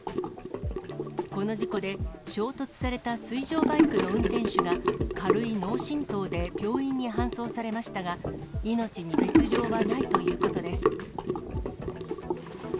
この事故で、衝突された水上バイクの運転手が軽い脳震とうで病院に搬送されましたが、命に別状はないということです。